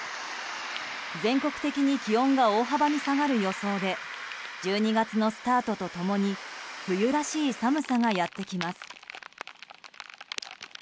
全国的に気温が大幅に下がる予想で１２月のスタートと共に冬らしい寒さがやってきます。